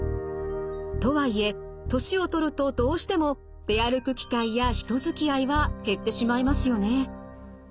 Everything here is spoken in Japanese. とはいえ年を取るとどうしても出歩く機会や人づきあいは減ってしまいますよね。